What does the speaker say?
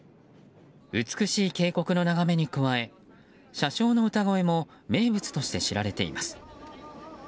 美しい渓谷の眺めに加え車掌の歌声も名物として知られています。